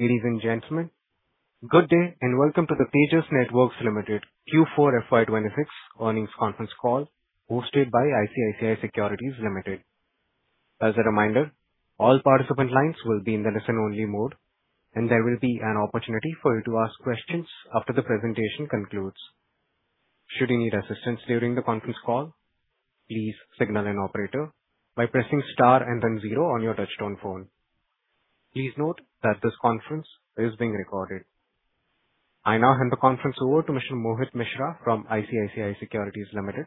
Ladies and gentlemen, good day and welcome to the Tejas Networks Limited Q4 FY 2026 earnings conference call hosted by ICICI Securities Limited. As a reminder, all participant lines will be in the listen-only mode, and there will be an opportunity for you to ask questions after the presentation concludes. Should you need assistance during the conference call, please signal an operator by pressing star and then zero on your touchtone phone. Please note that this conference is being recorded. I now hand the conference over to Mr. Mohit Mishra from ICICI Securities Limited.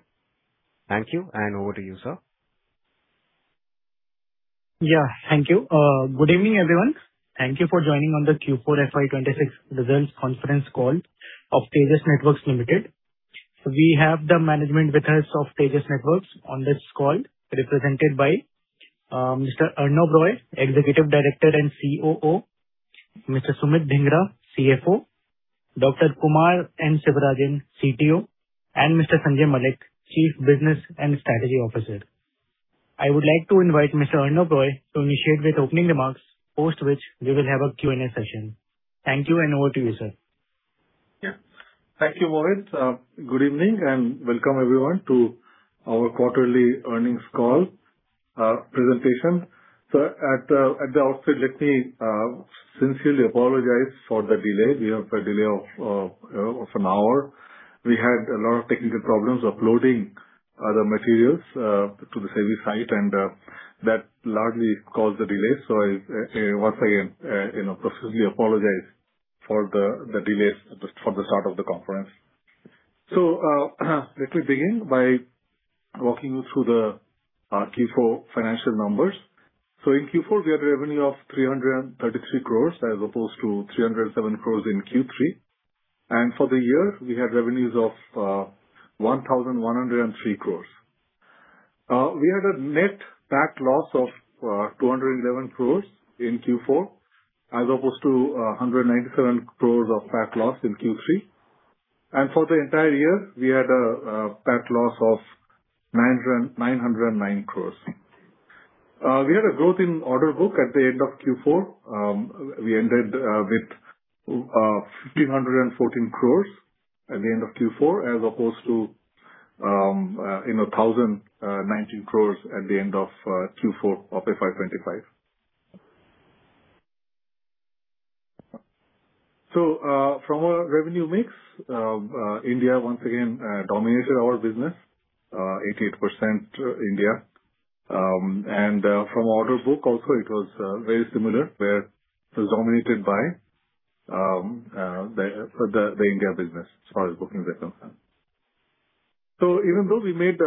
Thank you, and over to you, sir. Yeah. Thank you. Good evening, everyone. Thank you for joining on the Q4 FY 2026 results conference call of Tejas Networks Limited. We have the management with us of Tejas Networks on this call, represented by Mr. Arnob Roy, Executive Director and COO, Mr. Sumit Dhingra, CFO, Dr. Kumar N. Sivarajan, CTO, and Mr. Sanjay Malik, Chief Business and Strategy Officer. I would like to invite Mr. Arnob Roy to initiate with opening remarks, after which we will have a Q&A session. Thank you, and over to you, Sir. Yeah. Thank you, Mohit. Good evening, and welcome, everyone, to our quarterly earnings call presentation. At the outset, let me sincerely apologize for the delay. We have a delay of an hour. We had a lot of technical problems uploading the materials to the SEBI site, and that largely caused the delay. Once again, I sincerely apologize for the delays for the start of the conference. Let me begin by walking you through the Q4 financial numbers. In Q4, we had revenue of 333 crores as opposed to 307 crores in Q3. For the year, we had revenues of 1,103 crores. We had a net PAT loss of 211 crores in Q4, as opposed to 197 crores of PAT loss in Q3. For the entire year, we had a PAT loss of 909 crores. We had a growth in order book at the end of Q4. We ended with 1,514 crores at the end of Q4 as opposed to 1,019 crores at the end of Q4 of FY25. So from a revenue mix, India once again dominated our business, 88% India. And from order book also it was very similar, where it was dominated by the India business as far as bookings are concerned. So even though we made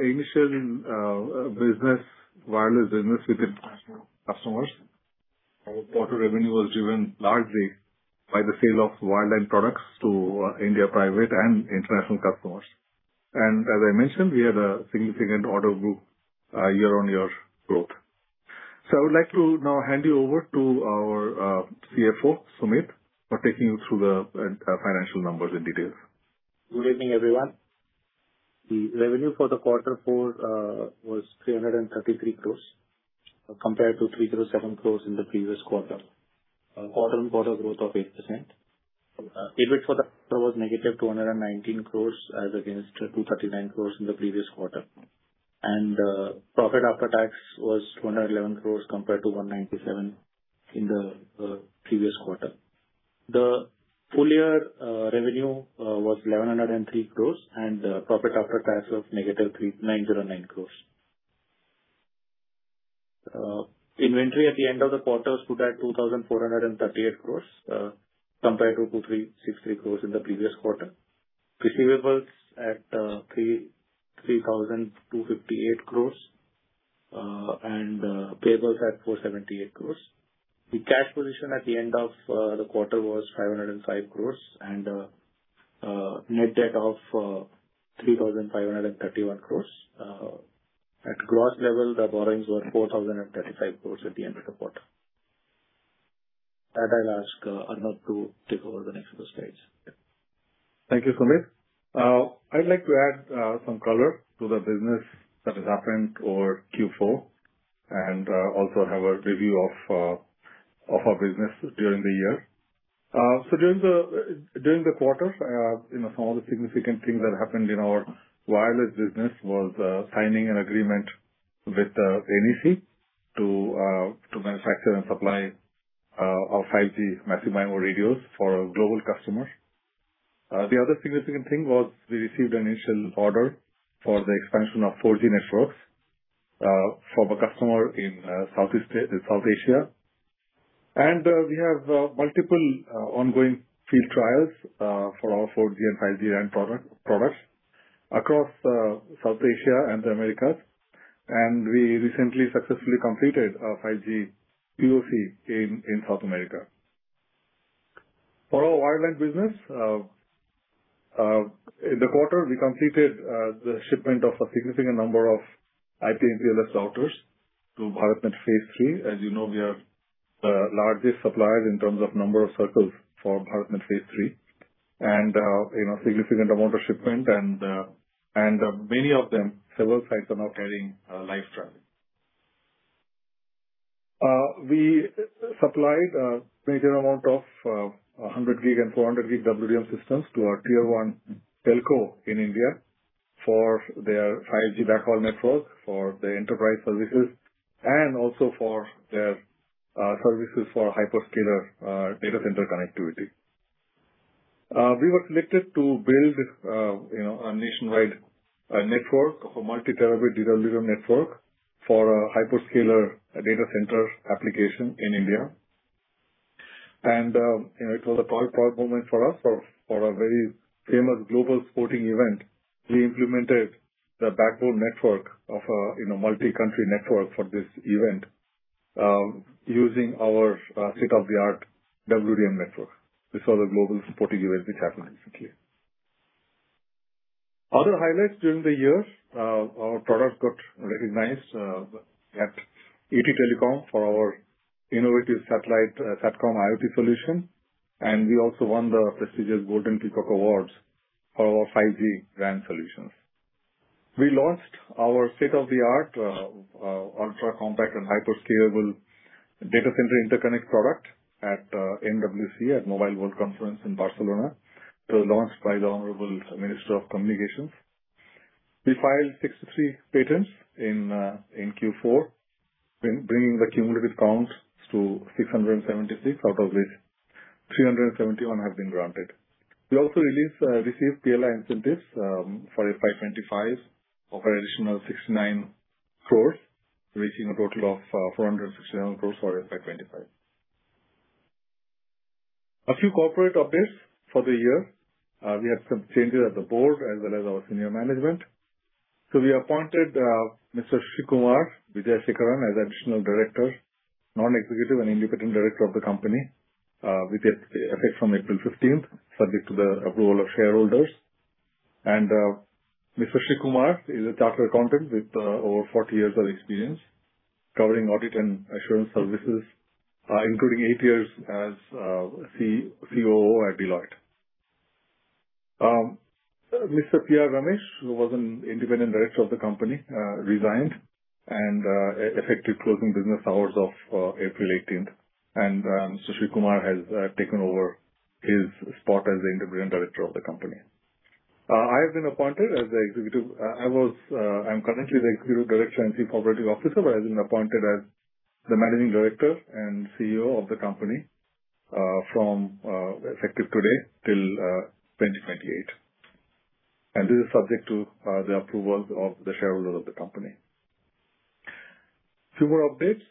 initial business, wireless business with international customers, our quarter revenue was driven largely by the sale of wireline products to India private and international customers. And as I mentioned, we had a significant order book year-on-year growth. So I would like to now hand you over to our CFO, Sumit, for taking you through the financial numbers in detail. Good evening, everyone. The revenue for the quarter four was 333 crores compared to 307 crores in the previous quarter. A quarter-on-quarter growth of 8%. EBIT for the quarter was -219 crores as against 239 crores in the previous quarter. Profit After Tax was 211 crores compared to 197 in the previous quarter. The full year revenue was 1,103 crores and Profit After Tax of -909 crores. Inventory at the end of the quarter stood at 2,438 crores, compared to 2,363 crores in the previous quarter. Receivables at 3,258 crores, and payables at 478 crores. The cash position at the end of the quarter was 505 crores and a net debt of 3,531 crores. At gross level, the borrowings were 4,035 crores at the end of the quarter. I'll ask Arnob to take over the next few slides. Thank you, Sumit. I'd like to add some color to the business that has happened over Q4 and also have a review of our business during the year. During the quarter, some of the significant things that happened in our wireless business was signing an agreement with NEC to manufacture and supply our 5G Massive MIMO radios for a global customer. The other significant thing was we received an initial order for the expansion of 4G networks from a customer in South Asia. We have multiple ongoing field trials for our 4G and 5G products across South Asia and the Americas. We recently successfully completed a 5G PoC in South America. For our wireline business, in the quarter we completed the shipment of a significant number of IP/MPLS routers to BharatNet phase III. As you know, we are the largest suppliers in terms of number of circles for BharatNet phase III. A significant amount of shipment and several sites are now carrying live traffic. We supplied a major amount of 100G and 400G WDM systems to our tier-one telco in India for their 5G backhaul network, for their enterprise services, and also for their services for hyperscaler data center connectivity. We were selected to build a nationwide network, a multi-terabyte digital network for a hyperscaler data center application in India. It was a proud moment for us. For a very famous global sporting event, we implemented the backbone network of a multi-country network for this event, using our state-of-the-art WDM network. This was a global sporting event which happened recently. Other highlights during the year, our product got recognized at ETTelecom for our innovative satellite Satcom IoT solution, and we also won the prestigious Golden Peacock Awards for our 5G RAN solutions. We launched our state-of-the-art ultra-compact and hyperscalable data center interconnect product at MWC, at Mobile World Congress in Barcelona. It was launched by the Honorable Minister of Communications. We filed 63 patents in Q4, bringing the cumulative counts to 676, out of which 371 have been granted. We also received PLI incentives for FY 2025 of an additional 69 crores, reaching a total of 467 crores for FY 2025. A few corporate updates for the year. We have some changes at the Board as well as our Senior Management. We appointed Mr. Srikumar Vijayasekaran as Additional Director, Non-Executive, and Independent Director of the company with effect from April 15th, subject to the approval of shareholders. Mr. Srikumar is a chartered accountant with over 40 years of experience covering audit and assurance services, including eight years as COO at Deloitte. Mr. P R Ramesh, who was an Independent Director of the company, resigned and effective closing business hours of April 18th, and Mr. Srikumar has taken over his spot as the Independent Director of the company. I'm currently the Executive Director and Chief Operating Officer, but I have been appointed as the Managing Director and CEO of the company, effective today till 2028. This is subject to the approval of the shareholders of the company. Few more updates.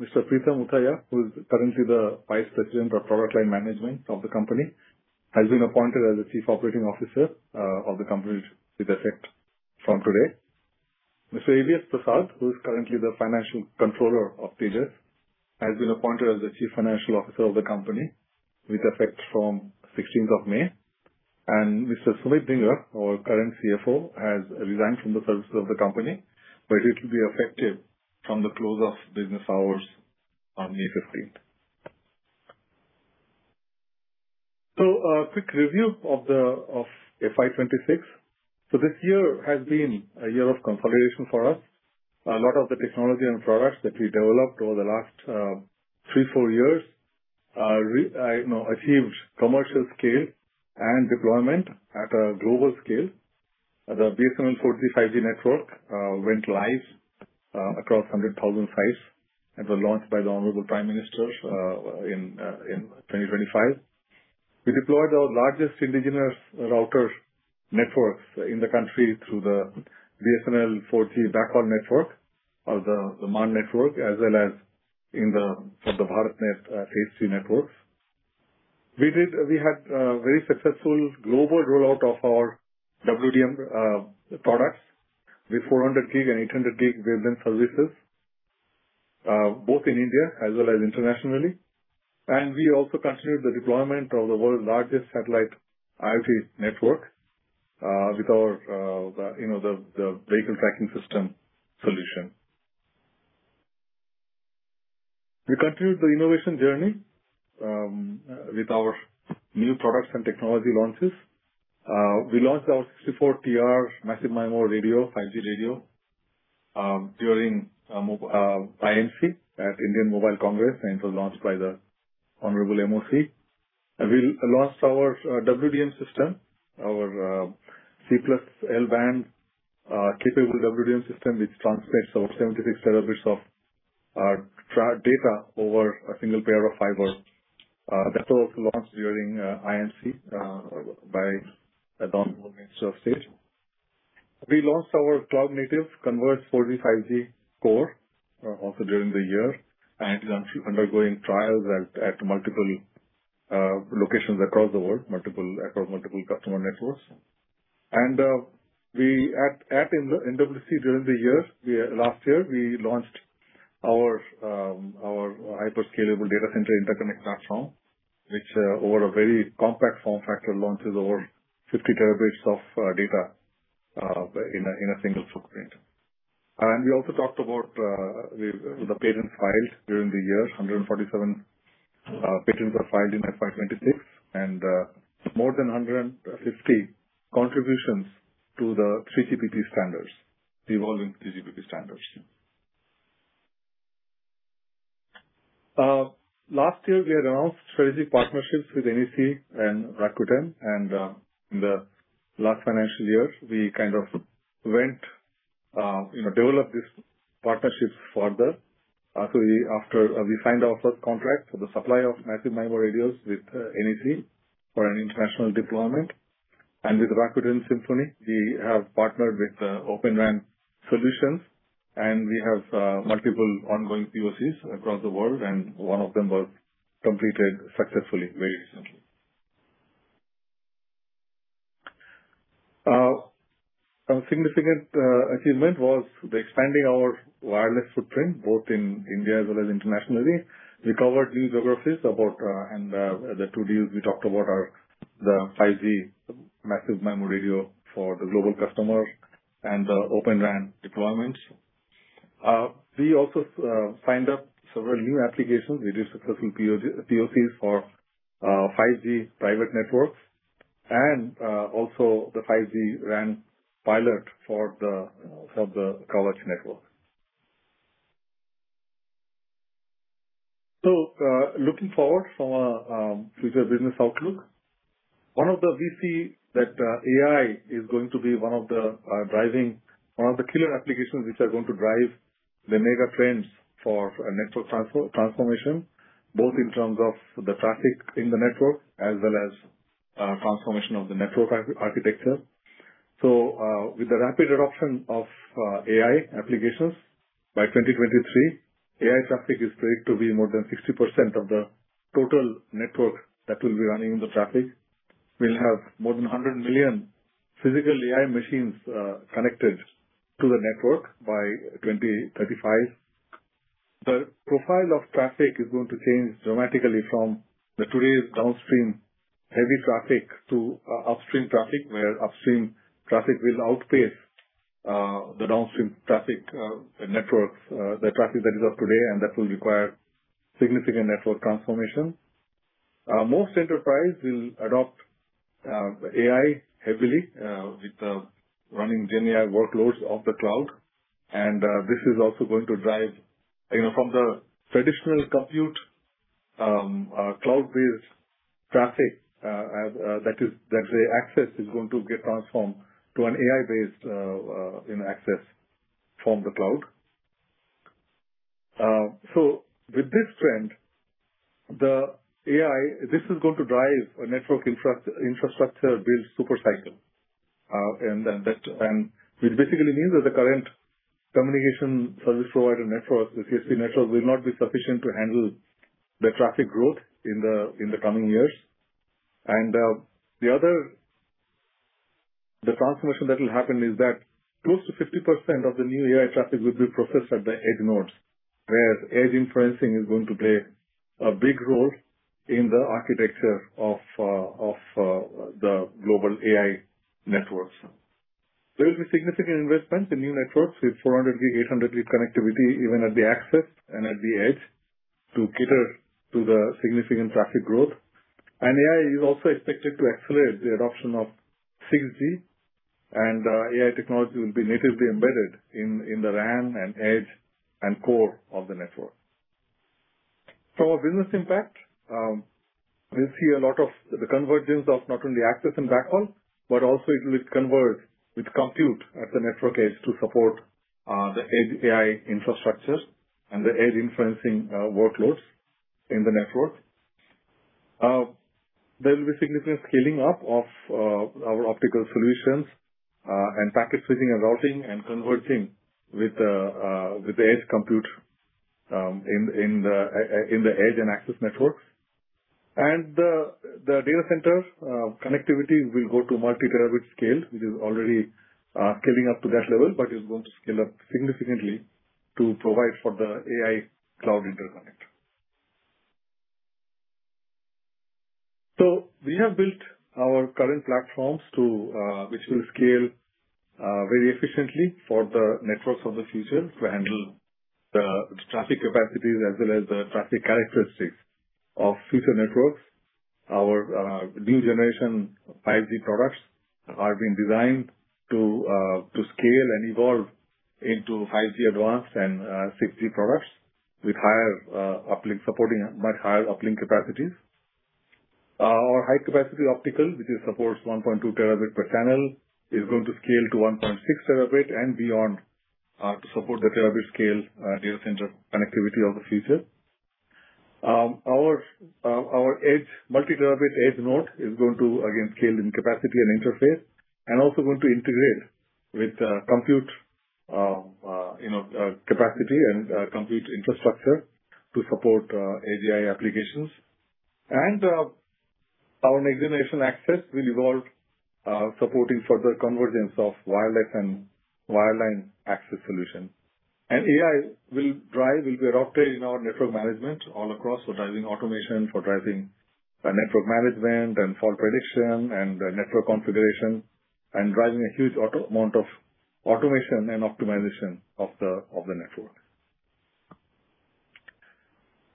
Mr. Preetham Muthaiah, who is currently the Vice President of Product Line Management of the company, has been appointed as the Chief Operating Officer of the company with effect from today. Mr. Abhishek Prasad, who is currently the Financial Controller of Tejas, has been appointed as the Chief Financial Officer of the company with effect from 16th of May. Mr. Sumit Dhingra, our current CFO, has resigned from the services of the company, but it will be effective from the close of business hours on May 15th. A quick review of FY 2026. This year has been a year of consolidation for us. A lot of the technology and products that we developed over the last three-four years achieved commercial scale and deployment at a global scale. The BSNL 4G-5G network went live across 100,000 sites and was launched by the Honorable Prime Minister in 2025. We deployed our largest indigenous router networks in the country through the BSNL 4G backhaul network or the MAN network, as well as for the BharatNet phase III networks. We had a very successful global rollout of our WDM products with 400G and 800G WDM services, both in India as well as internationally. We also continued the deployment of the world's largest satellite IoT network with our vehicle tracking system solution. We continued the innovation journey with our new products and technology launches. We launched our 64T64R Massive MIMO radio, 5G radio, during IMC at India Mobile Congress, and it was launched by the Honorable MOC. We launched our WDM system, our C+L-band capable WDM system, which transmits over 76 Tb of data over a single pair of fiber. That was also launched during IMC by the Honorable Minister of State. We launched our cloud-native converged 4G/5G core also during the year, and it's undergoing trials at multiple locations across the world, across multiple customer networks. At MWC during the year, last year, we launched our hyperscalable data center interconnect platform, which over a very compact form factor, launches over 50 Tb of data in a single footprint. We also talked about the patents filed during the year. 147 patents were filed in FY 2026, and more than 150 contributions to the 3GPP standards, the evolving 3GPP standards. Last year, we had announced strategic partnerships with NEC and Rakuten, and in the last financial year, we kind of developed these partnerships further. After we signed our first contract for the supply of Massive MIMO radios with NEC for an international deployment and with Rakuten Symphony, we have partnered with Open RAN solutions, and we have multiple ongoing POCs across the world, and one of them was completed successfully very recently. A significant achievement was expanding our wireless footprint, both in India as well as internationally. We covered new geographies, and the two deals we talked about are the 5G Massive MIMO radio for the global customer and the Open RAN deployment. We also signed up several new applications. We did successful PoCs for 5G private networks and also the 5G RAN pilot for the coverage network. Looking forward to our future business outlook, we see that AI is going to be one of the killer applications which are going to drive the megatrends for a network transformation, both in terms of the traffic in the network as well as transformation of the network architecture. With the rapid adoption of AI applications, by 2023, AI traffic is predicted to be more than 60% of the total network that will be running the traffic, will have more than 100 million physical AI machines connected to the network by 2035. The profile of traffic is going to change dramatically from today's downstream heavy traffic to upstream traffic, where upstream traffic will outpace the downstream traffic, the traffic that is up today, and that will require significant network transformation. Most enterprises will adopt AI heavily with running GenAI workloads off the cloud. This is also going to drive from the traditional compute cloud-based traffic, that is, let's say access is going to get transformed to an AI-based access from the cloud. With this trend, this is going to drive a network infrastructure-build super-cycle. Which basically means that the current communication service provider networks, the CSP networks, will not be sufficient to handle the traffic growth in the coming years. The transformation that will happen is that close to 50% of the new AI traffic will be processed at the edge nodes, where edge inferencing is going to play a big role in the architecture of the global AI networks. There will be significant investments in new networks with 400G, 800G connectivity, even at the access and at the edge, to cater to the significant traffic growth. AI is also expected to accelerate the adoption of 6G and AI technology will be natively embedded in the RAN and edge and core of the network. For business impact, we see a lot of the convergence of not only access and backhaul, but also it will converge with compute at the network edge to support the edge AI infrastructures and the edge inferencing workloads in the network. There will be significant scaling up of our optical solutions and packet switching and routing and converging with the edge compute in the edge and access networks. The data centers connectivity will go to multi-terabit scale, which is already scaling up to that level, but is going to scale up significantly to provide for the AI cloud interconnect. We have built our current platforms which will scale very efficiently for the networks of the future to handle the traffic capacities as well as the traffic characteristics of future networks. Our new-generation 5G products are being designed to scale and evolve into 5G-Advanced and 6G products with supporting much higher uplink capacities. Our high-capacity optical, which supports 1.2 Tb per channel, is going to scale to 1.6 Tb and beyond to support the terabit-scale data center connectivity of the future. Our multi-terabit edge node is going to, again, scale in capacity and interface and also going to integrate with compute capacity and compute infrastructure to support Edge AI applications. Our next-generation access will evolve, supporting further convergence of wireless and wireline access solution. AI will be adopted in our network management all across for driving automation, for driving network management, and fault prediction, and network configuration, and driving a huge amount of automation and optimization of the network.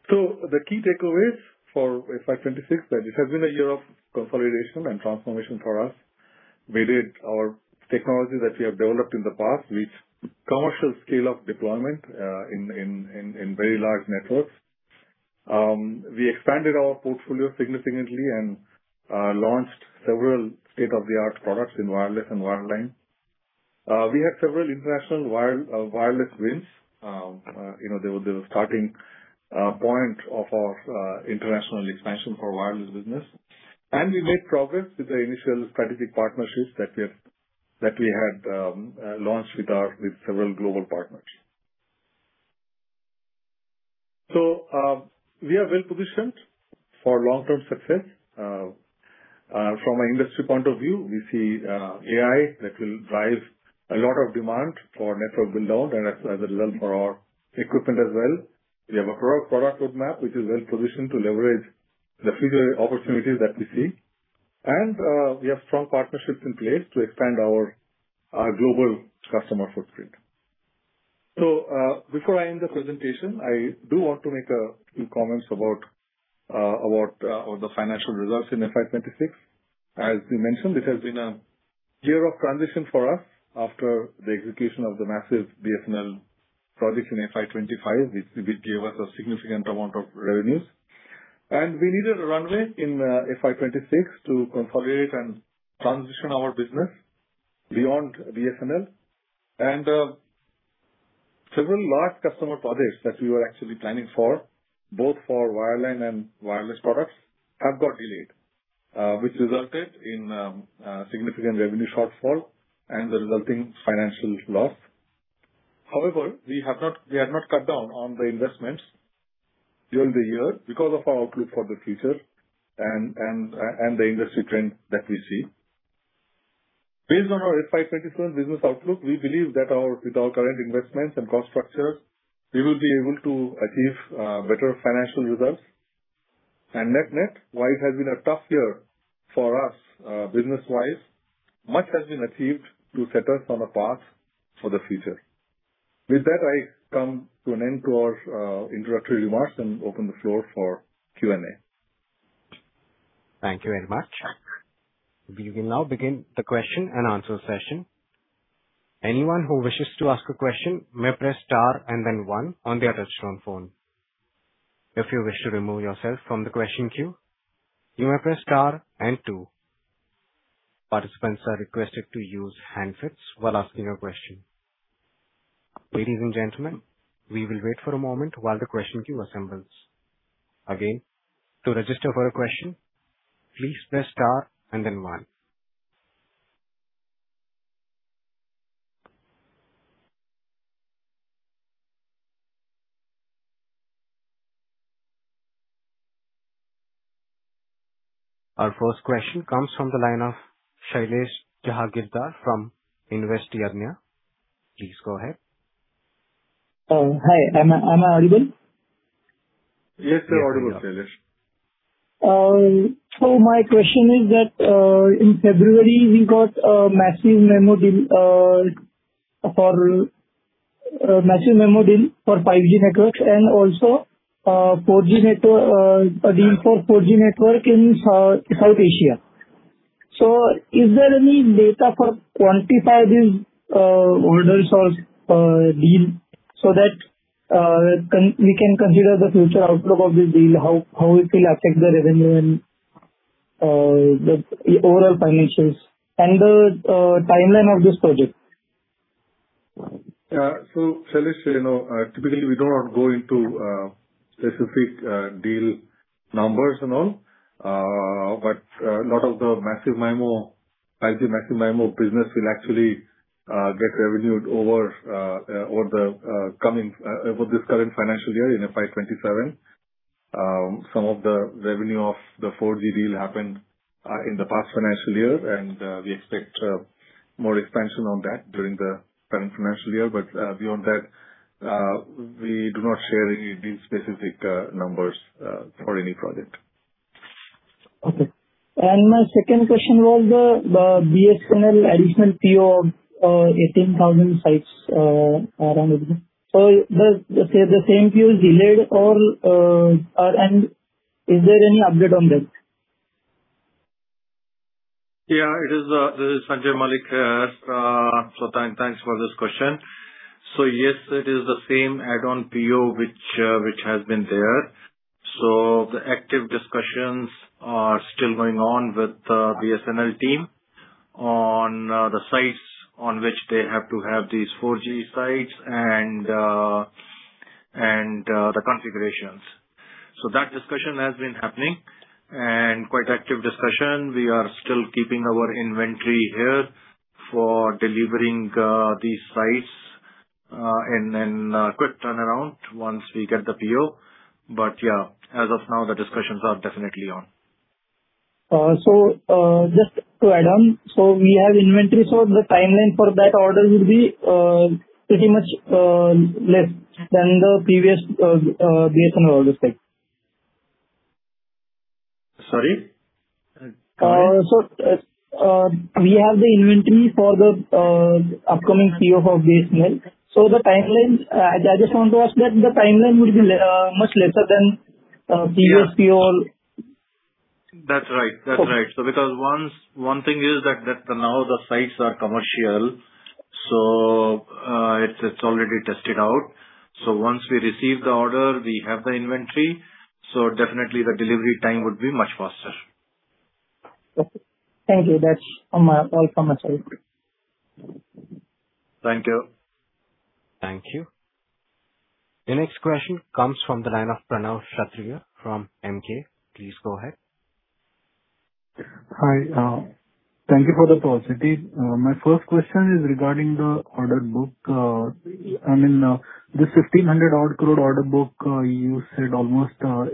The key takeaways for FY 2026, that it has been a year of consolidation and transformation for us. We did our technology that we have developed in the past with commercial scale of deployment in very large networks. We expanded our portfolio significantly and launched several state-of-the-art products in wireless and wireline. We had several international wireless wins. They were the starting point of our international expansion for wireless business. We made progress with the initial strategic partnerships that we had launched with several global partners. We are well-positioned for long-term success. From an industry point of view, we see AI that will drive a lot of demand for network build-out and as well for our equipment as well. We have a broad product roadmap, which is well-positioned to leverage the future opportunities that we see. We have strong partnerships in place to expand our global customer footprint. Before I end the presentation, I do want to make a few comments about the financial results in FY 2026. As we mentioned, it has been a year of transition for us after the execution of the massive BSNL project in FY 2025, which gave us a significant amount of revenues. We needed a runway in FY 2026 to consolidate and transition our business beyond BSNL. Several large customer projects that we were actually planning for, both for wireline and wireless products, have got delayed, which resulted in a significant revenue shortfall and the resulting financial loss. However, we have not cut down on the investments during the year because of our outlook for the future and the industry trends that we see. Based on our FY 2027 business outlook, we believe that with our current investments and cost structures, we will be able to achieve better financial results. Net-net, while it has been a tough year for us business-wise, much has been achieved to set us on a path for the future. With that, I come to an end to our introductory remarks and open the floor for Q&A. Thank you very much. We will now begin the question-and-answer session. Anyone who wishes to ask a question may press star and then one on their touch-tone phone. If you wish to remove yourself from the question queue, you may press star and two. Participants are requested to use handsets while asking a question. Ladies and gentlemen, we will wait for a moment while the question queue assembles. Again, to register for a question, please press star and then one. Our first question comes from the line of Shailesh Jahagirdar from InvestYadnya. Please go ahead. Hi, am I audible? Yes, you're audible, Shailesh. My question is that, in February, we got a Massive MIMO deal for 5G networks and also a deal for 4G network in South Asia. Is there any data for quantify these orders or deal so that we can consider the future outlook of this deal, how it will affect the revenue and the overall financials and the timeline of this project? Yeah, Shailesh, typically, we do not go into specific deal numbers and all. A lot of the 5G Massive MIMO business will actually get revenued over this current financial year in FY 2027. Some of the revenue of the 4G deal happened in the past financial year, and we expect more expansion on that during the current financial year. Beyond that, we do not share any deal-specific numbers for any project. Okay. My second question was the BSNL additional PO of 18,000 sites around. The same PO is delayed, or is there any update on that? Yeah, this is Sanjay Malik. Thanks for this question. Yes, it is the same add-on PO which has been there. The active discussions are still going on with the BSNL team on the sites on which they have to have these 4G sites and the configurations. That discussion has been happening and quite active discussion. We are still keeping our inventory here for delivering these sites in a quick turnaround once we get the PO. As of now, the discussions are definitely on. Just to add on, we have inventory. The timeline for that order will be pretty much less than the previous BSNL order spec. Sorry? We have the inventory for the upcoming PO for BSNL. I just want to ask that the timeline would be much lesser than previous PO? That's right. Because one thing is that now the sites are commercial, so it's already tested out. Once we receive the order, we have the inventory, so definitely the delivery time would be much faster. Okay, thank you. That's all from my side. Thank you. Thank you. The next question comes from the line of Pranav Kshatriya from Emkay Please go ahead. Hi. Thank you for the call, Satish. My first question is regarding the order book. I mean, this 1,500 odd crore order book, you said almost 83%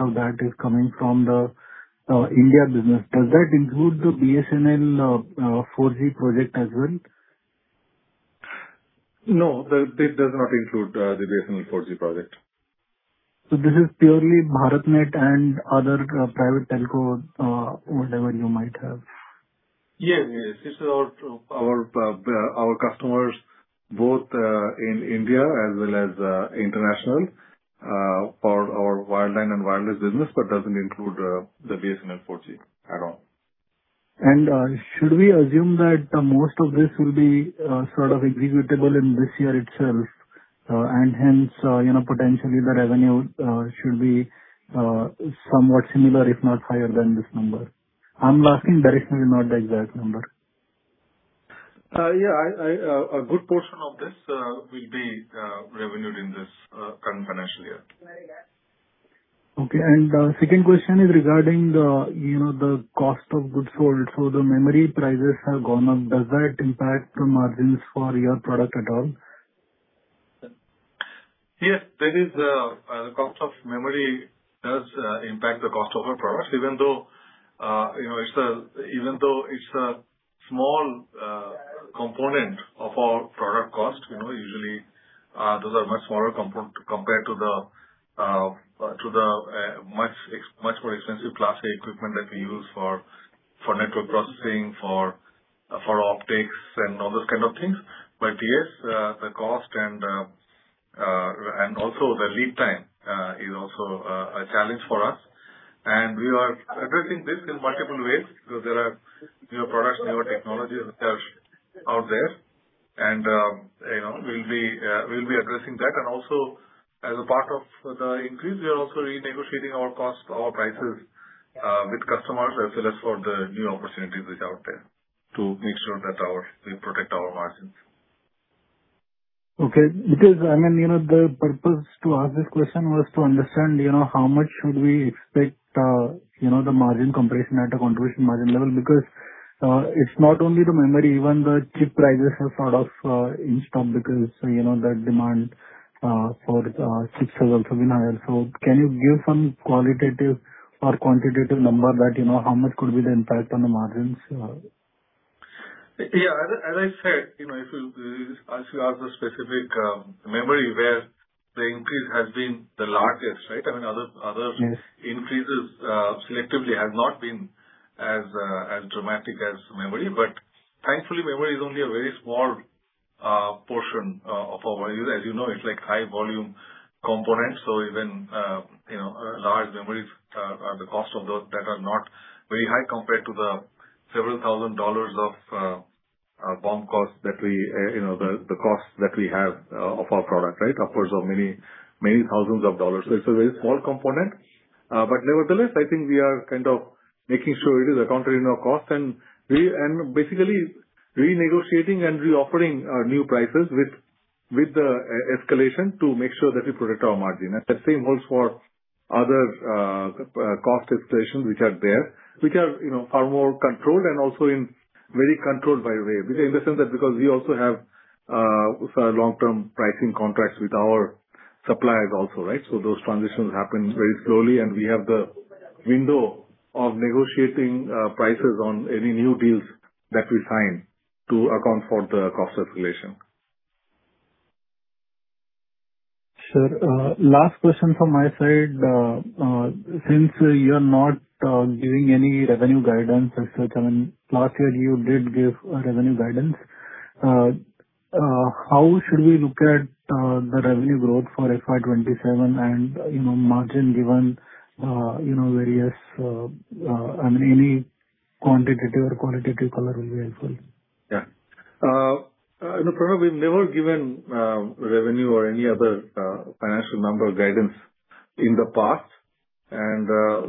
of that is coming from the India business. Does that include the BSNL 4G project as well? No, this does not include the BSNL 4G project. This is purely BharatNet and other private telco, whatever you might have. Yes. It's our customers, both in India as well as international, for our wireline and wireless business, but doesn't include the BSNL 4G at all. Should we assume that most of this will be sort of executable in this year itself, and hence, potentially the revenue should be somewhat similar, if not higher than this number? I'm asking the direction and not the exact number. Yeah, a good portion of this will be revenued in this current financial year. Okay. Second question is regarding the cost of goods sold. The memory prices have gone up. Does that impact the margins for your product at all? Yes. The cost of memory does impact the cost of our products. Even though it's a small component of our product cost, usually those are much smaller compared to the much more expensive Class A equipment that we use for network processing, for optics and all those kind of things. Yes, the cost and also the lead time is also a challenge for us, and we are addressing this in multiple ways. There are newer products, newer technologies which are out there, and we'll be addressing that. Also as a part of the increase, we are also renegotiating our prices with customers as well as for the new opportunities which are out there to make sure that we protect our margins. Okay. Because, I mean, the purpose to ask this question was to understand how much should we expect the margin compression at a contribution margin level. Because it's not only the memory, even the chip prices have sort of inched up because the demand for chips has also been higher. Can you give some qualitative or quantitative number that, how much could be the impact on the margins? Yeah. As I said, if you ask a specific memory where the increase has been the largest, right? I mean, other increases selectively have not been as dramatic as memory. Thankfully, memory is only a very small portion of our value. As you know, it's like high-volume components. Even large memories, the cost of those that are not very high compared to the several thousand dollars of BOM costs, the cost that we have of our product, right, of course, of many thousands of dollars. It's a very small component. Nevertheless, I think we are kind of making sure it is accounted in our cost and basically renegotiating and reoffering new prices with the escalation to make sure that we protect our margin. The same holds for other cost escalations which are there, which are far more controlled and also very controlled by Roy. Because we also have long-term pricing contracts with our suppliers also, right? Those transitions happen very slowly, and we have the window of negotiating prices on any new deals that we sign to account for the cost escalation. Sir, last question from my side. Since you're not giving any revenue guidance as such, I mean, last year you did give revenue guidance, how should we look at the revenue growth for FY 2027 and margin? I mean, any quantitative or qualitative color will be helpful. Yeah. Pranav, we've never given revenue or any other financial number guidance in the past, and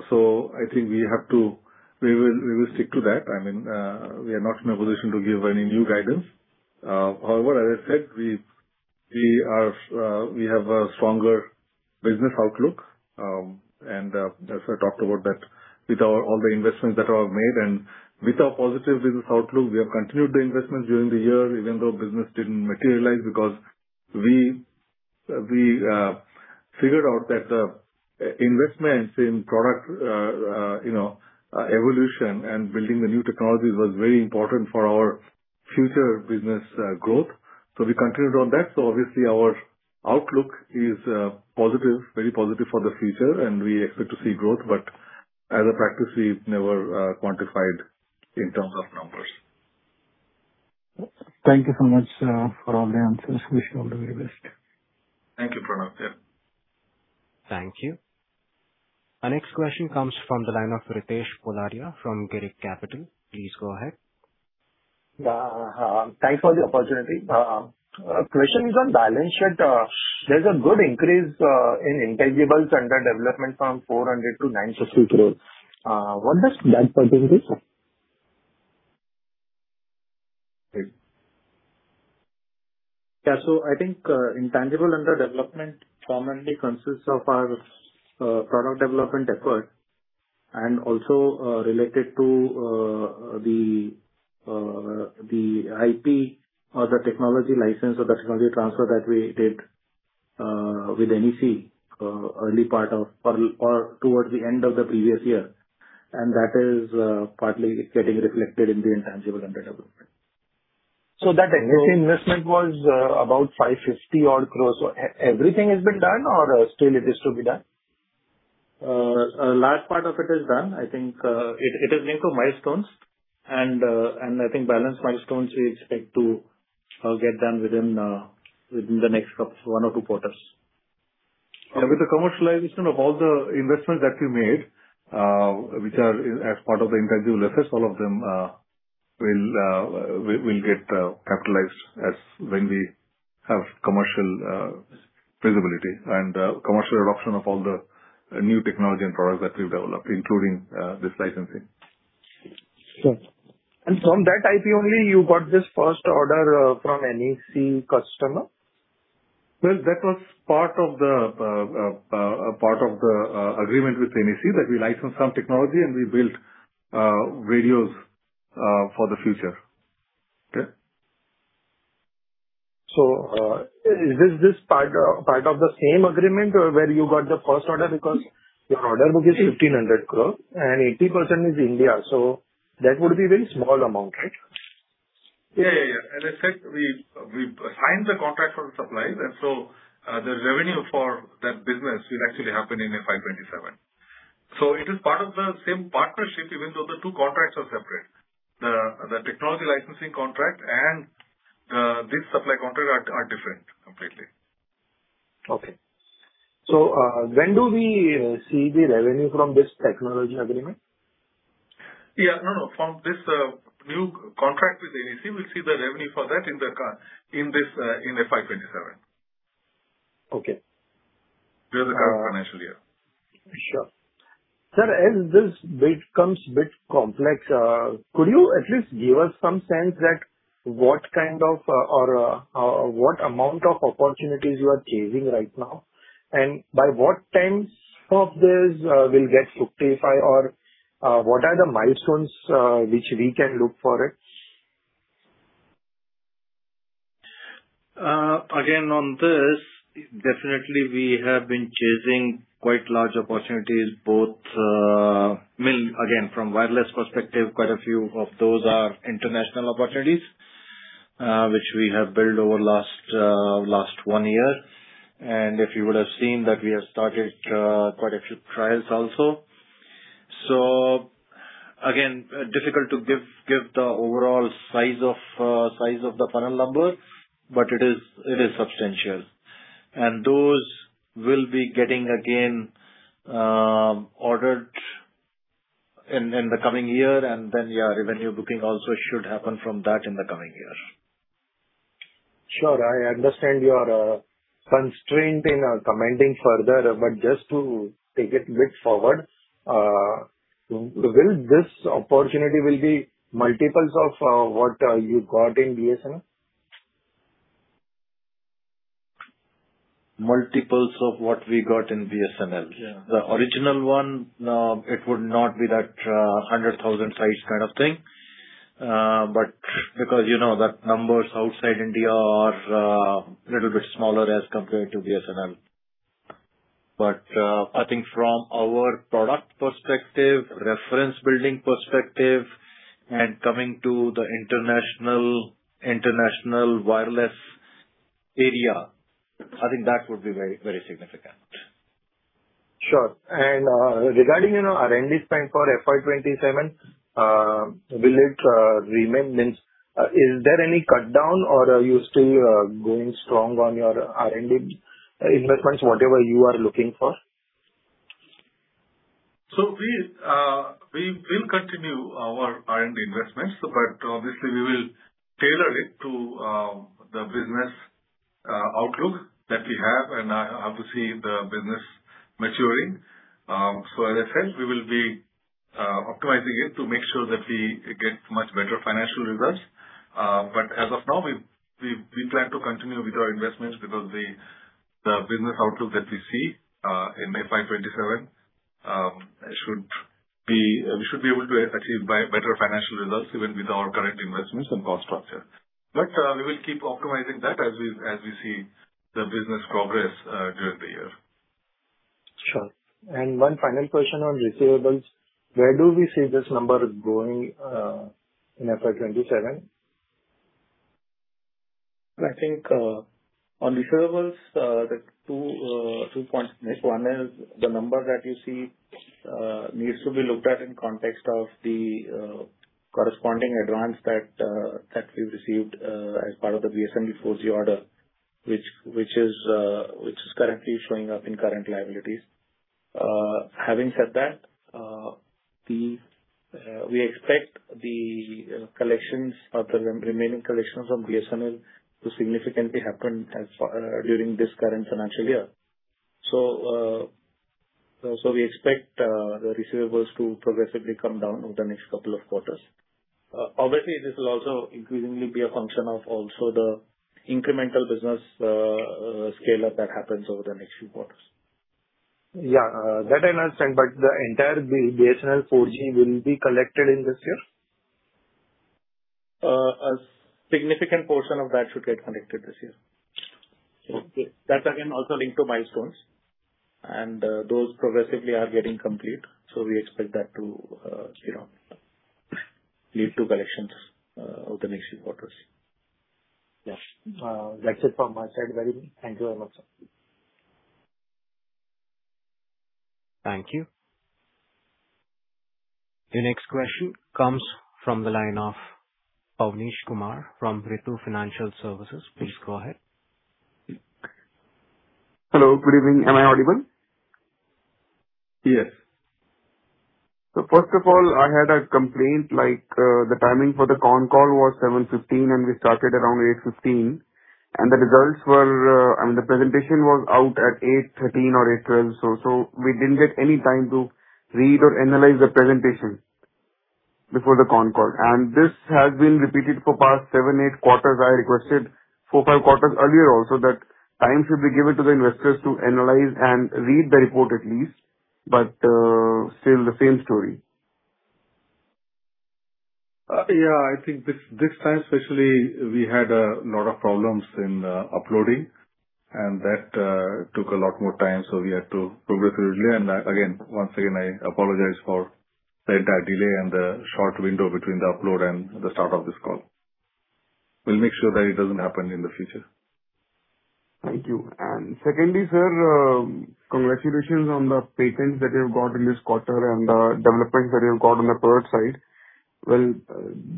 so I think we will stick to that. I mean, we are not in a position to give any new guidance. However, as I said, we have a stronger business outlook, and as I talked about that with all the investments that are made and with our positive business outlook, we have continued the investments during the year, even though business didn't materialize. Because we figured out that investments in product evolution and building the new technologies was very important for our future business growth. We continued on that. Obviously, our outlook is very positive for the future, and we expect to see growth. As a practice, we've never quantified in terms of numbers. Thank you so much for all the answers. Wish you all the very best. Thank you, Pranav. Thank you. Our next question comes from the line of Ritesh Poladia from Girik Capital. Please go ahead. Thanks for the opportunity. The question is on the balance sheet. There's a good increase in intangibles under development from 400 crore-950 crores. What does that represent, sir? Yeah. I think Intangible Under Development commonly consists of our product development effort and also related to the IP or the technology license or the technology transfer that we did with NEC early part of or towards the end of the previous year. That is partly getting reflected in the Intangible Under Development. That investment was about 550 odd crores. Everything has been done or still it is to be done? A large part of it is done. I think it is linked to milestones, and I think balance milestones we expect to get done within the next one or two quarters. With the commercialization of all the investments that we made, which are as part of the intangible assets, all of them will get capitalized as when we have commercial feasibility and commercial adoption of all the new technology and products that we've developed, including this licensing. Sure. From that IP only you got this first order from NEC customer? Well, that was part of the agreement with NEC, that we license some technology and we build radios for the future. Okay. Is this part of the same agreement where you got the first order? Because your order book is 1,500 crores and 80% is India, that would be very small amount, right? Yeah. As I said, we've signed the contract for the supplies, and so the revenue for that business will actually happen in FY 2027. It is part of the same partnership, even though the two contracts are separate. The technology licensing contract and this supply contract are different completely. Okay. When do we see the revenue from this technology agreement? No. From this new contract with NEC, we'll see the revenue for that in FY 2027. Okay. The other current financial year. Sure. Sir, as this becomes bit complex, could you at least give us some sense that what kind of or what amount of opportunities you are chasing right now? By what time some of this will get booked, say five, or what are the milestones which we can look for it? Again, on this, definitely we have been chasing quite large opportunities, both mainly, again, from wireless perspective, quite a few of those are international opportunities, which we have built over last one year. If you would have seen that we have started quite a few trials also. Again, difficult to give the overall size of the funnel number, but it is substantial. Those will be getting, again, ordered in the coming year, and then yeah, revenue booking also should happen from that in the coming year. Sure. I understand you are constrained in commenting further, but just to take it bit forward, will this opportunity will be multiples of what you got in BSNL? Multiples of what we got in BSNL. Yeah. The original one, no, it would not be that 100,000 size kind of thing. Because you know that numbers outside India are a little bit smaller as compared to BSNL. I think from our product perspective, reference building perspective, and coming to the international wireless area, I think that would be very significant. Sure. Regarding R&D spend for FY 2027, is there any cut down, or are you still going strong on your R&D investments, whatever you are looking for? We'll continue our R&D investments, but obviously we will tailor it to the business outlook that we have and how to see the business maturing. As I said, we will be optimizing it to make sure that we get much better financial results. As of now, we plan to continue with our investments because the business outlook that we see in FY 2027, we should be able to achieve better financial results even with our current investments and cost structure. We will keep optimizing that as we see the business progress during the year. Sure. One final question on receivables. Where do we see this number going in FY 2027? I think on receivables, there are two points to make. One is the number that you see needs to be looked at in context of the corresponding advance that we've received as part of the BSNL 4G order, which is currently showing up in current liabilities. Having said that, we expect the remaining collections from BSNL to significantly happen during this current financial year. We expect the receivables to progressively come down over the next couple of quarters. Obviously, this will also increasingly be a function of also the incremental business scale-up that happens over the next few quarters. Yeah. That I understand. The entire BSNL 4G will be collected in this year? A significant portion of that should get collected this year. Okay. That again, also linked to milestones. Those progressively are getting complete. We expect that to lead to collections over the next few quarters. Yes. That's it from my side, Arnob. Thank you very much, sir. Thank you. The next question comes from the line of Avnish Kumar from Ritu Financial Services. Please go ahead. Hello. Good evening. Am I audible? Yes. First of all, I had a complaint, the timing for the con call was 7:15 P.M., and we started around 8:15 P.M., and, I mean, the presentation was out at 8:13 P.M. or 8:12 P.M., so we didn't get any time to read or analyze the presentation before the con call. This has been repeated for the past seven, eight quarters. I requested four, five quarters earlier also that time should be given to the investors to analyze and read the report at least, but still the same story. Yeah, I think this time especially, we had a lot of problems in uploading and that took a lot more time, so we had to progressively. Again, once again, I apologize for that delay and the short window between the upload and the start of this call. We'll make sure that it doesn't happen in the future. Thank you. Secondly, sir, congratulations on the patents that you've got in this quarter and the developments that you've got on the product side. Well,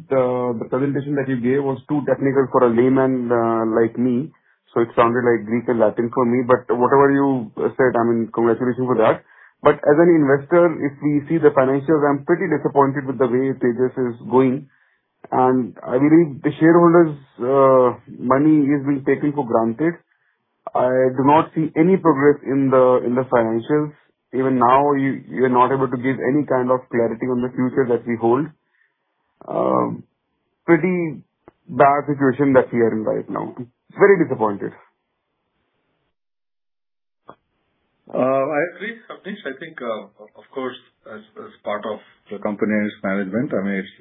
the presentation that you gave was too technical for a layman like me, so it sounded like Greek and Latin for me. Whatever you said, congratulations for that. As an investor, if we see the financials, I'm pretty disappointed with the way Tejas is going, and I believe the shareholders' money is being taken for granted. I do not see any progress in the financials. Even now, you're not able to give any kind of clarity on the future that we hold. Pretty bad situation that we are in right now. Very disappointed. I agree, Avnish. I think, of course, as part of the company's management,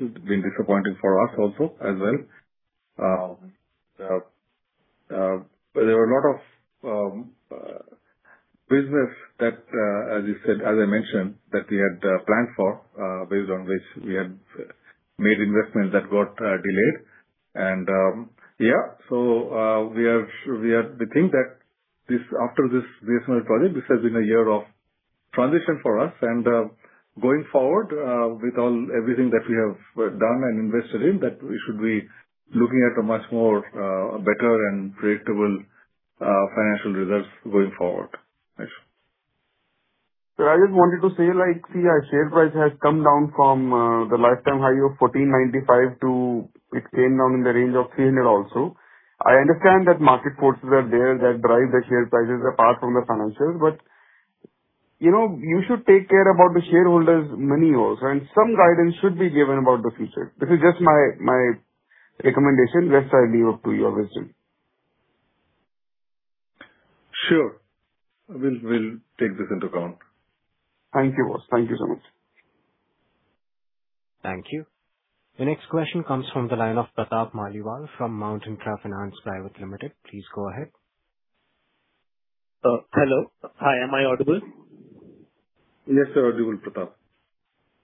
it's been disappointing for us also as well. There were a lot of business that, as I mentioned, that we had planned for, based on which we had made investments that got delayed. We think that after this BSNL project, this has been a year of transition for us. Going forward, with everything that we have done and invested in, that we should be looking at a much more better and predictable financial results going forward. Yes. Sir, I just wanted to say, like, see, our share price has come down from the lifetime high of 1,495 to it's staying now in the range of 300 also. I understand that market forces are there that drive the share prices apart from the financials, but you should take care about the shareholders' money also, and some guidance should be given about the future. This is just my recommendation. Rest, I leave up to your wisdom. Sure. We'll take this into account. Thank you, boss. Thank you so much. Thank you. The next question comes from the line of Pratap Maliwal from Mount Intra Finance Private Limited. Please go ahead. Hello. Hi. Am I audible? Yes, you're audible, Pratap.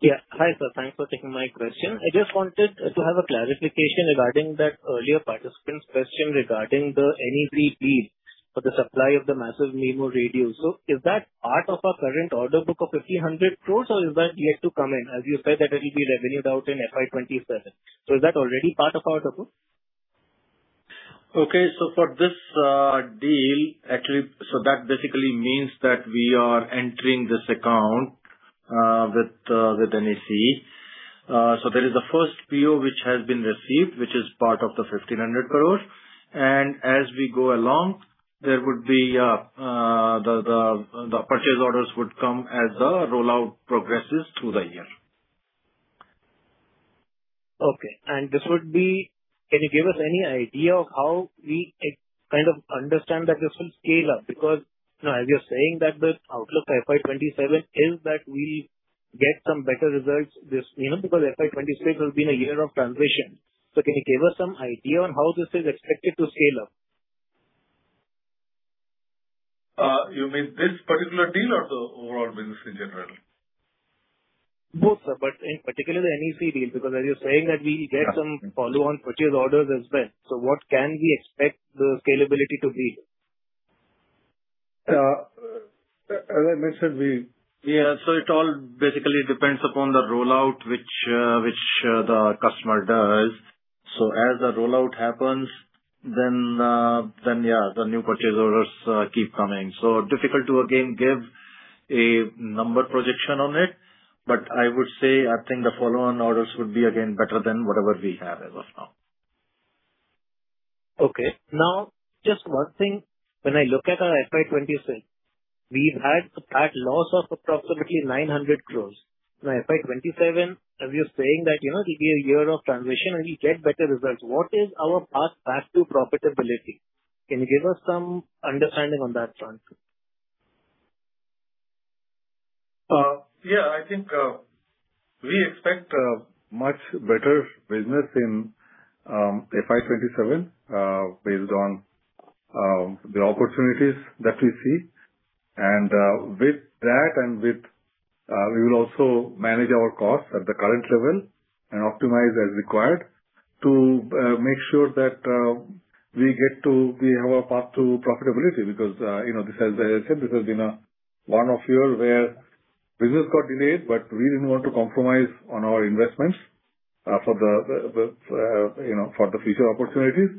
Yeah. Hi, sir. Thanks for taking my question. I just wanted to have a clarification regarding that earlier participant's question regarding the NEC deal for the supply of the Massive MIMO radio. Is that part of our current order book of 1,500 crores or is that yet to come in, as you said that it'll be revenued out in FY 2027? Is that already part of our book? Okay. For this deal, that basically means that we are entering this account with NEC. There is a first PO which has been received, which is part of the 1,500 crores. As we go along, the purchase orders would come as the rollout progresses through the year. Okay, can you give us any idea of how we can understand that this will scale up? Because as you're saying that the outlook for FY 2027 is that we get some better results, because FY 2026 has been a year of transition, can you give us some idea on how this is expected to scale up? You mean this particular deal or the overall business in general? Both, sir, but in particular the NEC deal, because as you're saying that we get some follow-on purchase orders as well. What can we expect the scalability to be? As I mentioned, we. Yeah. It all basically depends upon the rollout, which the customer does. As the rollout happens, then yeah, the new purchase orders keep coming. Difficult to, again, give a number projection on it. I would say, I think the follow-on orders would be again better than whatever we have as of now. Now just one thing. When I look at our FY 2026, we've had a PAT loss of approximately 900 crores. Now, FY 2027, as you're saying that it'll be a year of transition and we get better results, what is our path back to profitability? Can you give us some understanding on that front? Yeah, I think we expect much better business in FY 2027, based on the opportunities that we see. With that, we will also manage our costs at the current level and optimize as required to make sure that we have a path to profitability. Because as I said, this has been one year where business got delayed, but we didn't want to compromise on our investments for the future opportunities.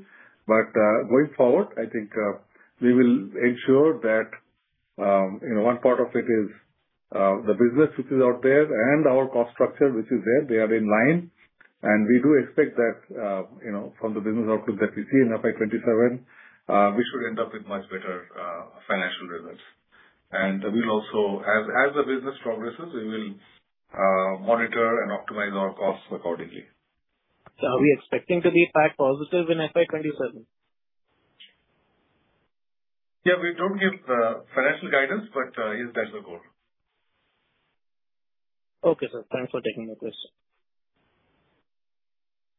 Going forward, I think we will ensure that one part of it is the business, which is out there, and our cost structure, which is there. They are in line. We do expect that, from the business outlook that we see in FY 2027, we should end up with much better financial results. As the business progresses, we will monitor and optimize our costs accordingly. Are we expecting to be PAT positive in FY 2027? Yeah. We don't give financial guidance, but yes, that's the goal. Okay, sir. Thanks for taking my question.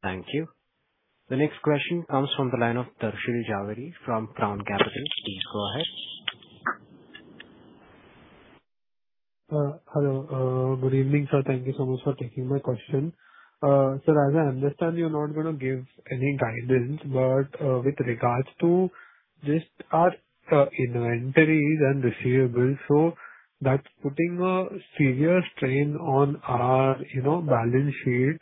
Thank you. The next question comes from the line of Darshil Jhaveri from Crown Capital. Please go ahead. Hello. Good evening, sir. Thank you so much for taking my question. Sir, as I understand, you're not going to give any guidance, but with regards to just our inventories and receivables, that's putting a severe strain on our balance sheet.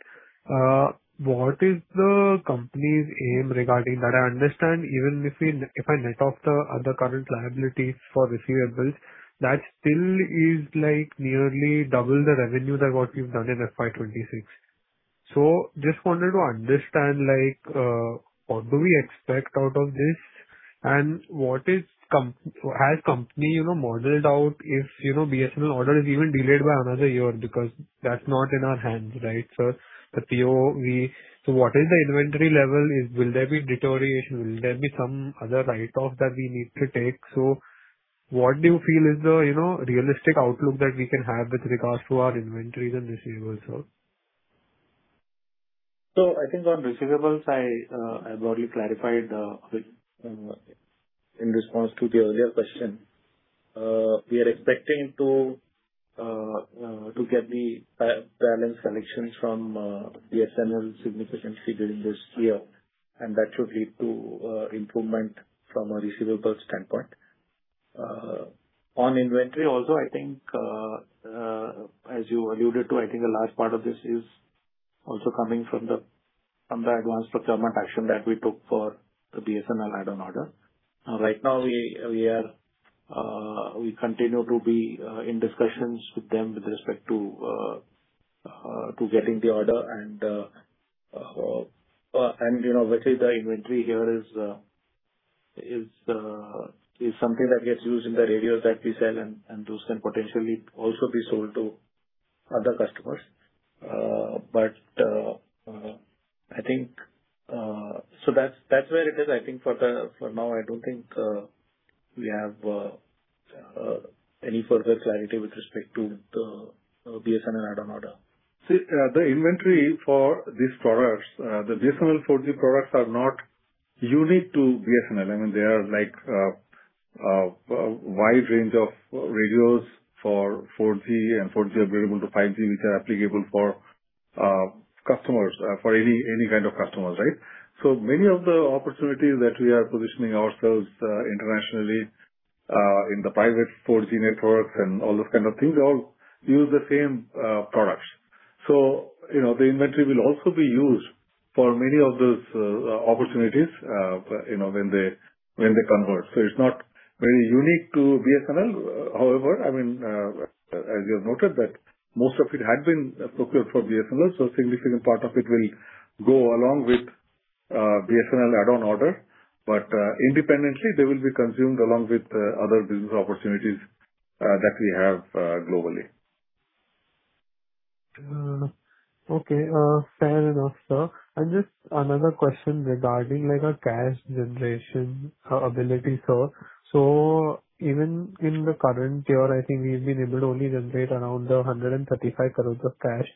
What is the company's aim regarding that? I understand even if I net off the other current liabilities for receivables, that still is nearly double the revenue than what we've done in FY 2026. Just wanted to understand, what do we expect out of this, and has company modeled out if BSNL order is even delayed by another year, because that's not in our hands, right? What is the inventory level? Will there be deterioration? Will there be some other write-off that we need to take? What do you feel is the realistic outlook that we can have with regards to our inventories and receivables, sir? I think on receivables, I broadly clarified in response to the earlier question. We are expecting to get the balance collections from BSNL significantly during this year, and that should lead to improvement from a receivable standpoint. On inventory also, I think, as you alluded to, a large part of this is also coming from the advanced procurement action that we took for the BSNL add-on order. Right now we continue to be in discussions with them with respect to getting the order, and the inventory here is something that gets used in the radios that we sell, and those can potentially also be sold to other customers. That's where it is. I think for now, I don't think we have any further clarity with respect to the BSNL add-on order. See, the inventory for these products, the BSNL 4G products are not unique to BSNL. I mean, they are a wide range of radios for 4G and 4G available to 5G, which are applicable for any kind of customers. Many of the opportunities that we are positioning ourselves internationally, in the private 4G networks and all those kind of things, all use the same products. The inventory will also be used for many of those opportunities when they convert. It's not very unique to BSNL. However, as you have noted that most of it had been procured for BSNL, so a significant part of it will go along with BSNL add-on order. Independently they will be consumed along with other business opportunities that we have globally. Okay. Fair enough, sir. Just another question regarding our cash generation ability, sir. Even in the current year, I think we've been able to only generate around 135 crores of cash.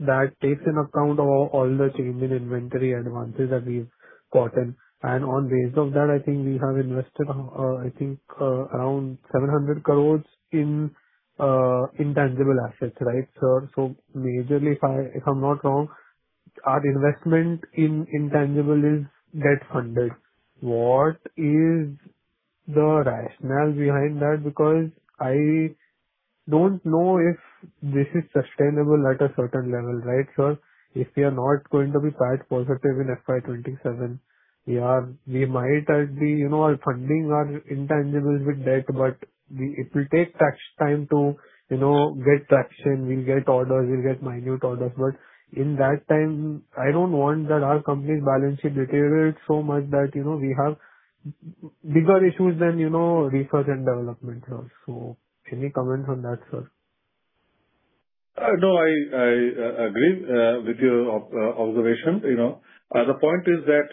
That takes into account all the change in inventory advances that we've gotten. On the basis of that, I think we have invested, I think around 700 crores in intangible assets, right, sir? Majorly, if I'm not wrong, our investment in intangible is debt-funded. What is the rationale behind that? Because I don't know if this is sustainable at a certain level, right, sir? If we are not going to be cash positive in FY 2027, we might be funding our intangibles with debt, but it will take tax time to get traction. We'll get orders, we'll get minute orders. In that time, I don't want our company's balance sheet to deteriorate so much that we have bigger issues than research and development, sir. Any comment on that, sir? No, I agree with your observation. The point is that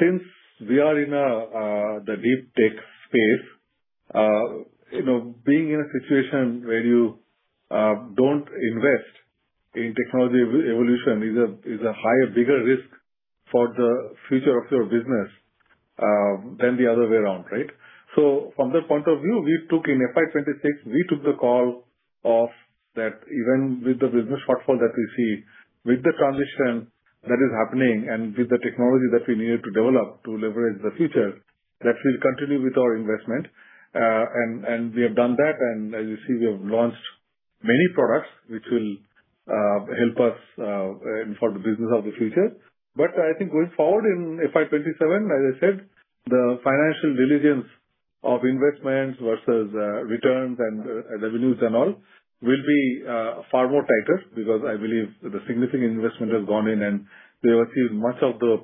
since we are in the deep tech space, being in a situation where you don't invest in technology evolution is a higher, bigger risk for the future of your business than the other way around, right? From that point of view, in FY 2026, we took the call that even with the business shortfall that we see, with the transition that is happening and with the technology that we needed to develop to leverage the future, that we'll continue with our investment. We have done that. As you see, we have launched many products which will help us for the business of the future. I think going forward in FY 2027, as I said, the financial diligence of investments versus returns and revenues and all will be far tighter because I believe the significant investment has gone in and we have achieved much of the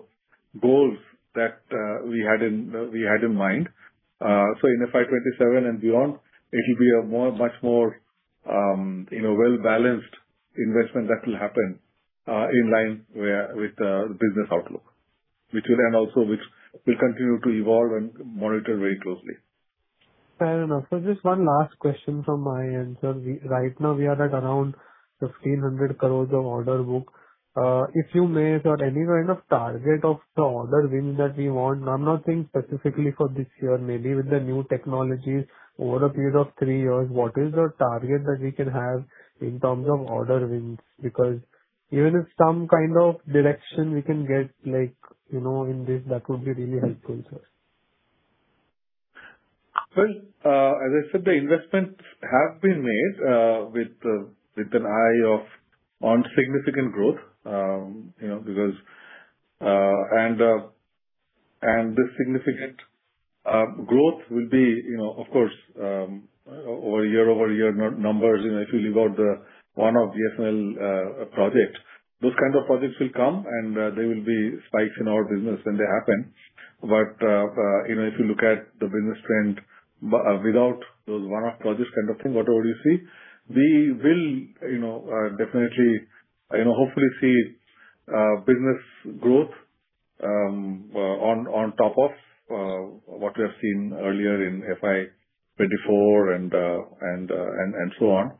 goals that we had in mind. In FY 2027 and beyond, it will be a much more well-balanced investment that will happen in line with the business outlook, which will then also continue to evolve and be monitored very closely. Fair enough, sir. Just one last question from my end, sir. Right now we are at around 1,500 crores of order book. If you may, sir, any kind of target of the order wins that we want? I'm not saying specifically for this year. Maybe with the new technologies over a period of three years, what is the target that we can have in terms of order wins? Because even if some kind of direction we can get in this, that would be really helpful, sir. Well, as I said, the investments have been made with an eye on significant growth. This significant growth will be, of course, over year-over-year numbers. If you leave out the one-off BSNL project, those kinds of projects will come, and there will be spikes in our business, and they happen. If you look at the business trend without those one-off projects kind of thing, whatever you see, we will definitely hopefully see business growth on top of what we have seen earlier in FY 2024 and so on.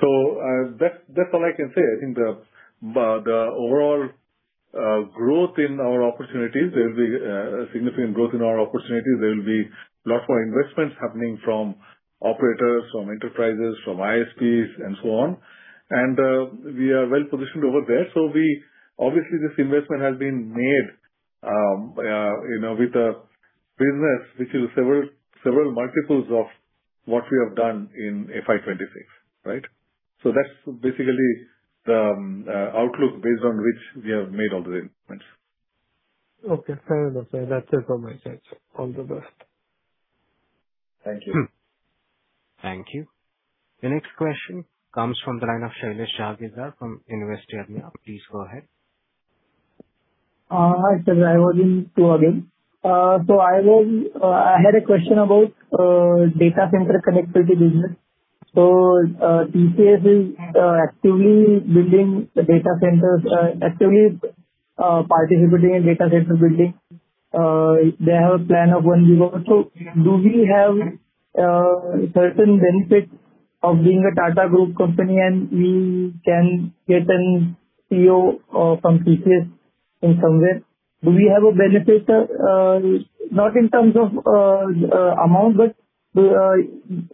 That's all I can say. I think the overall growth in our opportunities, there will be a significant growth in our opportunities. There will be lot more investments happening from operators, from enterprises, from ISPs and so on. We are well-positioned over there. Obviously, this investment has been made with a business which is several multiples of what we have done in FY 2026, right? That's basically the outlook based on which we have made all the investments. Okay, fair enough, sir. That's it from my side, sir. All the best. Thank you. Thank you. The next question comes from the line of Shailesh Shah from Invest Yard. Please go ahead. Hi, sir. I was in queue again. I had a question about data center connectivity business. TCS is actively building data centers, actively participating in data center building. They have a plan of going forward. Do we have certain benefits of being a Tata Group company, and we can get an PO from TCS in some way? Do we have a benefit, sir? Not in terms of amount, but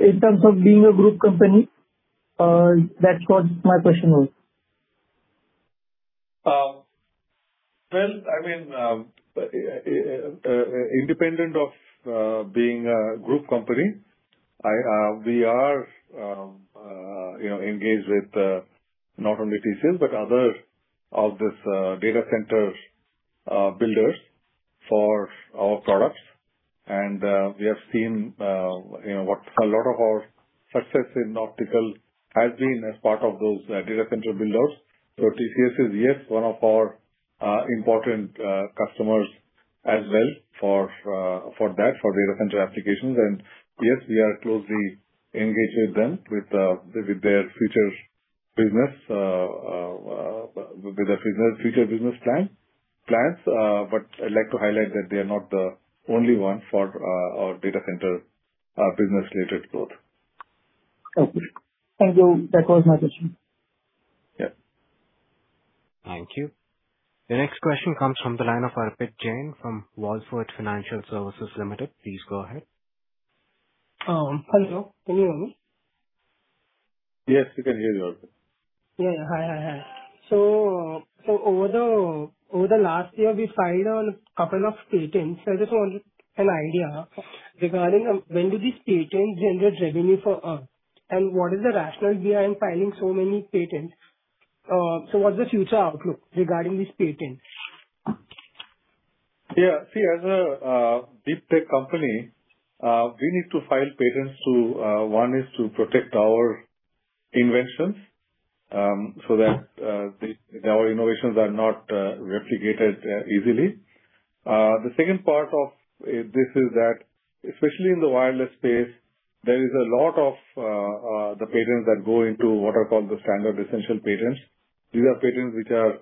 in terms of being a group company? That's what my question was. Well, I mean, independent of being a group company, we are engaged with not only TCS, but other of this data center builders for our products. We have seen what a lot of our success in optical has been as part of those data center builders. TCS is, yes, one of our important customers as well for data center applications. Yes, we are closely engaged with them with their future business plans. I'd like to highlight that they are not the only one for our data center business-related growth. Okay. Thank you. That was my question. Yeah. Thank you. The next question comes from the line of Arpit Jain from Wallfort Financial Services Limited. Please go ahead. Hello. Can you hear me? Yes, we can hear you, Arpit Jain. Yeah. Hi. Over the last year, we filed a couple of patents. I just wanted an idea regarding when do these patents generate revenue for us? What is the rationale behind filing so many patents? What's the future outlook regarding this patent? Yeah. See, as a deep-tech company, we need to file patents. One is to protect our inventions, so that our innovations are not replicated easily. The second part of this is that, especially in the wireless space, there is a lot of the patents that go into what are called the Standard Essential Patents. These are patents which are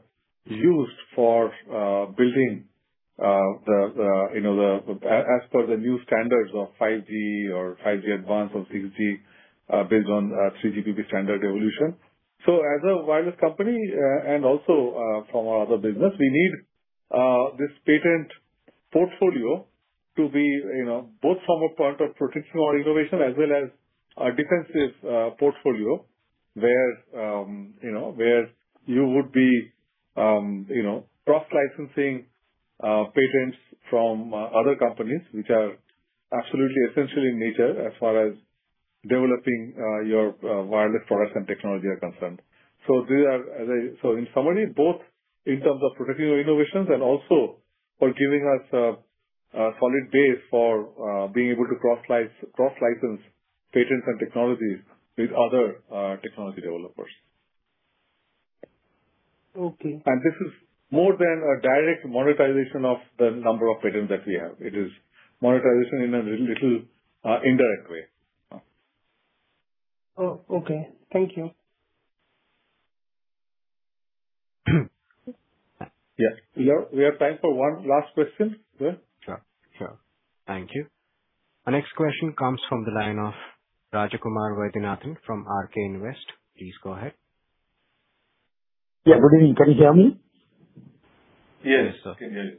used for building as per the new standards of 5G or 5G-Advanced or 6G, based on 3GPP standard evolution. As a wireless company, and also from our other business, we need this patent portfolio to be both from a point of protecting our innovation as well as a defensive portfolio where you would be cross-licensing patents from other companies, which are absolutely essential in nature as far as developing your wireless products and technology are concerned. In summary, both in terms of protecting our innovations and also for giving us a solid base for being able to cross-license patents and technologies with other technology developers. Okay. This is more than a direct monetization of the number of patents that we have. It is monetization in a little indirect way. Oh, okay. Thank you. Yes. We have time for one last question, yeah. Sure. Thank you. Our next question comes from the line of Rajakumar Vaidyanathan from RK Invest. Please go ahead. Yeah, good evening. Can you hear me? Yes, I can hear you.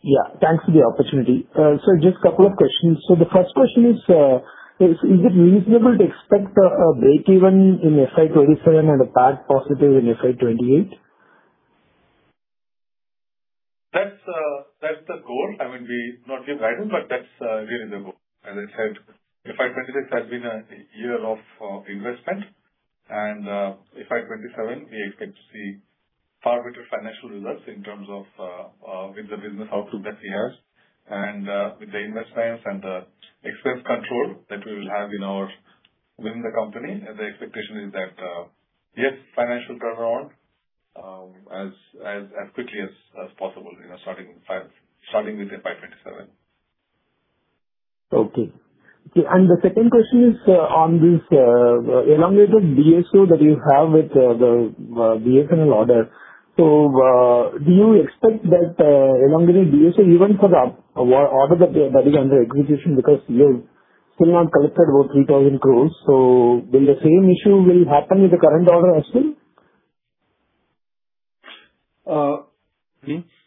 Yeah. Thanks for the opportunity. Sir, just couple of questions. The first question is it reasonable to expect a break-even in FY 2027 and a PAT-positive in FY 2028? That's the goal. I mean, not give guidance, but that's reasonable. As I said, FY 2026 has been a year of investment. FY 2027, we expect to see far better financial results with the business output that he has, and with the investments and the expense control that we will have within the company. The expectation is that, yes, financial turnaround as quickly as possible, starting with FY 2027. Okay. The second question is on this elongated DSO that you have with the BSNL order. Do you expect that elongated DSO even for the order that is under execution because you still not collected over 3,000 crores, so will the same issue will happen with the current order as well?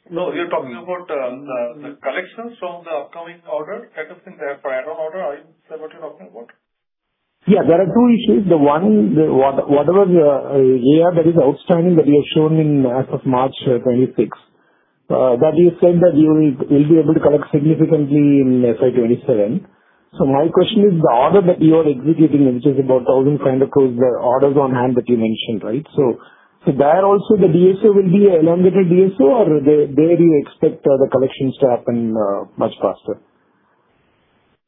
No, you're talking about the collections from the upcoming order, add-on order. Is that what you're talking about? Yeah. There are two issues. The one, whatever AR that is outstanding that you have shown in as of March 2026, that you said that you will be able to collect significantly in FY 2027. My question is, the order that you are executing, which is about 1,500 crores, the orders on hand that you mentioned, right? There also the DSO will be elongated DSO or there you expect the collections to happen much faster?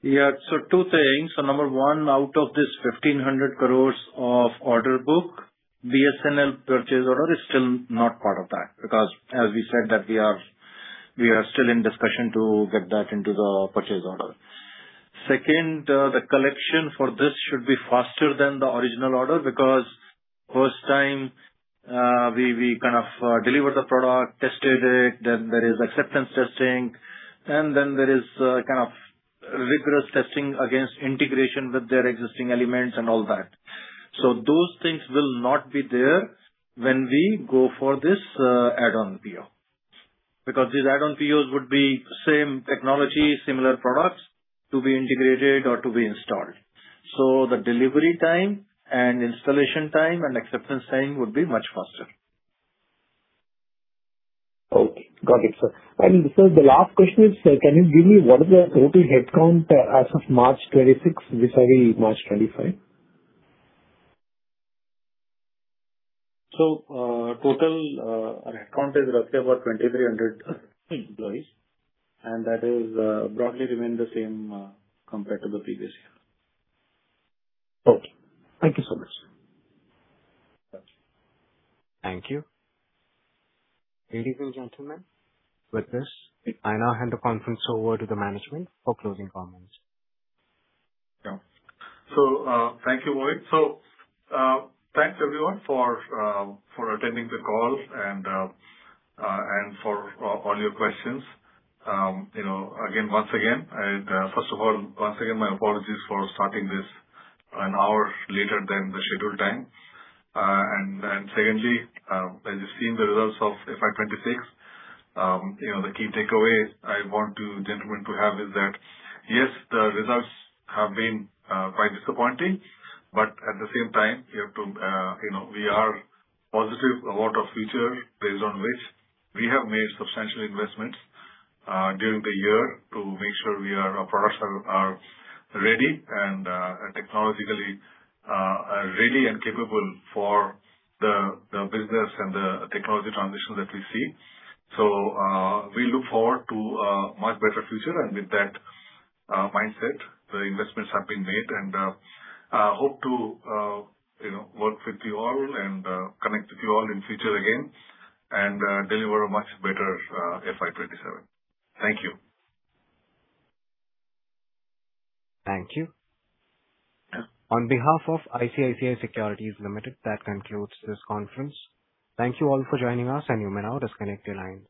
Yeah. Two things. Number one, out of this 1,500 crores of order book, BSNL purchase order is still not part of that, because as we said that we are still in discussion to get that into the purchase order. Second, the collection for this should be faster than the original order because first time we kind of delivered the product, tested it, then there is acceptance testing, and then there is rigorous testing against integration with their existing elements and all that. Those things will not be there when we go for this add-on PO. Because these add-on POs would be same technology, similar products to be integrated or to be installed. The delivery time and installation time and acceptance time would be much faster. Okay. Got it, Sir. Sir, the last question is, can you give me what is your total headcount as of March 2026 vis-à-vis March 2025? Total, our headcount is roughly about 2,300 employees, and that has broadly remained the same compared to the previous year. Okay. Thank you so much, Sir. Thank you. Thank you. Ladies and gentlemen, with this, I now hand the conference over to the management for closing comments. Thank you, Mohit. Thanks everyone for attending the call and for all your questions. First of all, once again, my apologies for starting this an hour later than the scheduled time. Secondly, as you've seen the results of FY 2026, the key takeaway I want you gentlemen to have is that, yes, the results have been quite disappointing, but at the same time, we are positive about our future based on which we have made substantial investments during the year to make sure our products are ready and technologically ready and capable for the business and the technology transition that we see. We look forward to a much better future. With that mindset, the investments have been made, and I hope to work with you all and connect with you all in future again and deliver a much better FY 2027. Thank you. Thank you. Yeah. On behalf of ICICI Securities Limited, that concludes this conference. Thank you all for joining us and you may now disconnect your lines.